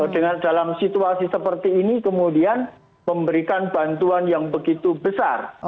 dengan dalam situasi seperti ini kemudian memberikan bantuan yang begitu besar